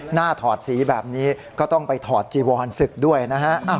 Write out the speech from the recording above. ถอดสีแบบนี้ก็ต้องไปถอดจีวรศึกด้วยนะฮะ